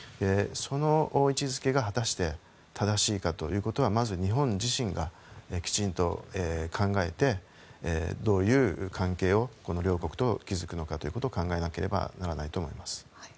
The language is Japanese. その位置づけが果たして正しいかということはまず、日本自身がきちんと考えてどういう関係を両国と築くのかを考えなければならないと思います。